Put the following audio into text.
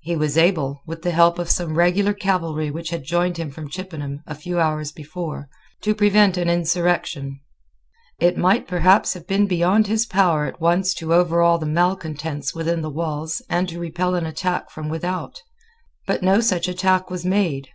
He was able, with the help of some regular cavalry which had joined him from Chippenham a few hours before, to prevent an insurrection. It might perhaps have been beyond his power at once to overawe the malecontents within the walls and to repel an attack from without: but no such attack was made.